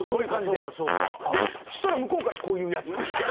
でそしたら向こうからこういうヤツが来て。